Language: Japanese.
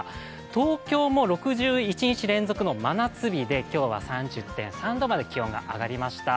東京も６１日連続の真夏日で今日は３０．３度まで気温が上がりました。